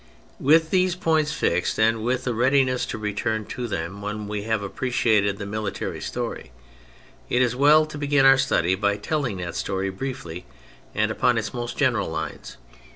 With these points fixed, and with a readi ness to return to them when we have appre ciated the military story, it is well to begin our study by telling that story briefly, and upon its most general lines.